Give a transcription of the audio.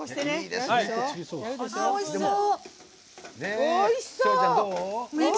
おいしそう！